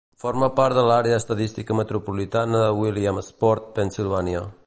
Forma part de l'àrea estadística metropolitana de Williamsport, Pennsylvania.